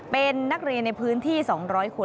เป็นนักเรียนในพื้นที่๒๐๐คน